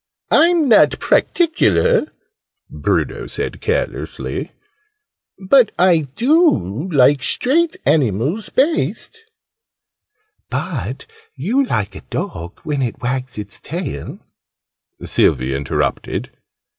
"I'm not praticular," Bruno said, carelessly: "but I do like straight animals best " "But you like a dog when it wags its tail," Sylvie interrupted.